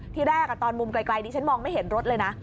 ที่แรกตอนมุมไกลดิฉันมองไม่เห็นรถเลยนะ